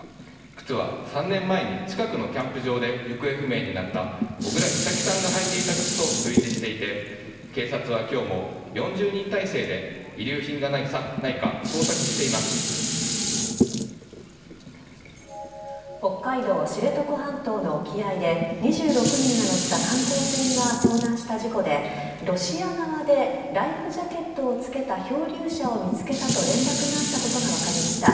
靴は３年前に近くのキャンプ場で行方不明になった小倉美咲さんが履いていた靴と類似していて警察は今日も４０人態勢で遺留品がないか北海道知床半島の沖合で２６人が乗った観光船が遭難した事故でロシア側でライフジャケットをつけた漂流者を見つけたと連絡があったことが分かりました。